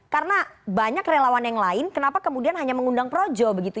karena banyak relawan yang lain kenapa kemudian hanya mengundang projo begitu